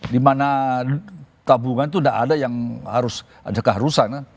di mana tabungan itu gak ada yang harus